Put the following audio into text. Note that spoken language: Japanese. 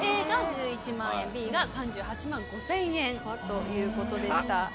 Ａが１１万円、Ｂが３８万５０００円ということでした。